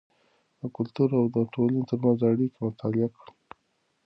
د کلتور او ټولنې ترمنځ اړیکه مطالعه کړئ.